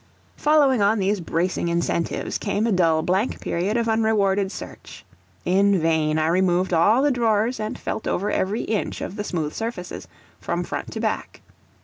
Following on these bracing incentives, came a dull blank period of unrewarded search. In vain I removed all the drawers and felt over every inch of the smooth surfaces, from front to back.